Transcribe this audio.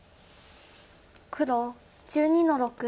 黒１２の六。